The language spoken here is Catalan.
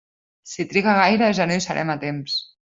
Si triga gaire ja no hi serem a temps.